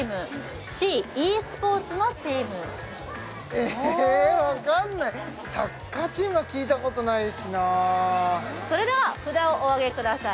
え分かんないサッカーチームは聞いたことないしなぁそれでは札をお上げください